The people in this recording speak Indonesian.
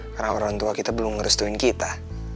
karena orang tua kita belum ngerestuin kita